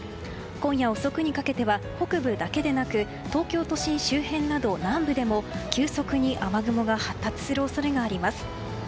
今夜遅くにかけては北部だけでなく東京都心周辺など、南部でも急速に雨雲が発達する恐れがあります。